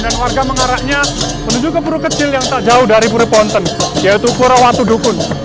dan warga mengarahnya menuju ke pura kecil yang tak jauh dari pura ponteng yaitu pura watu dukung